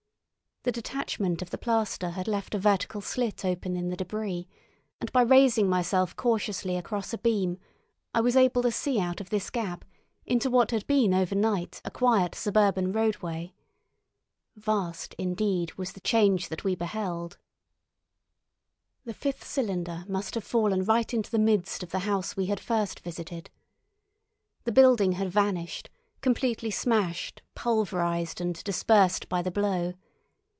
The detachment of the plaster had left a vertical slit open in the debris, and by raising myself cautiously across a beam I was able to see out of this gap into what had been overnight a quiet suburban roadway. Vast, indeed, was the change that we beheld. The fifth cylinder must have fallen right into the midst of the house we had first visited. The building had vanished, completely smashed, pulverised, and dispersed by the blow.